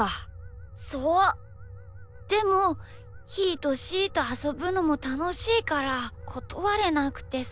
でもひーとしーとあそぶのもたのしいからことわれなくてさ。